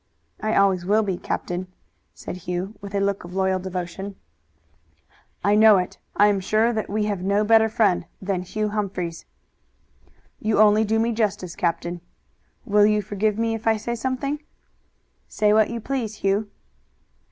"I always will be, captain," said Hugh, with a look of loyal devotion. "I know it. I am sure that we have no better friend than Hugh Humphries." "You only do me justice, captain. Will you forgive me if I say something?" "Say what you please, Hugh."